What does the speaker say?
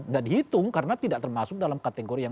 tidak dihitung karena tidak termasuk dalam kategori yang